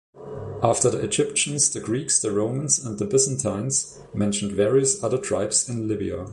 After the Egyptians, the Greeks, Romans, and Byzantines mentioned various other tribes in Libya.